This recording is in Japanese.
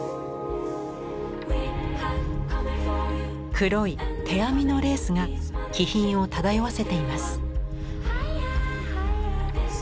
黒い手編みのレースが気品を漂わせています。